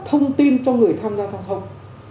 thông tin cho người tham gia thông thông